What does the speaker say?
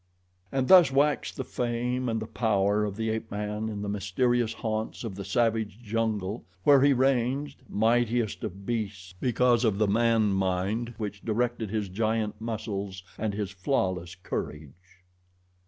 And thus waxed the fame and the power of the ape man in the mysterious haunts of the savage jungle where he ranged, mightiest of beasts because of the man mind which directed his giant muscles and his flawless courage.